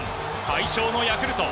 大勝のヤクルト。